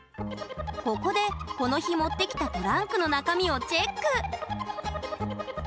ここでこの日持ってきたトランクの中身をチェック！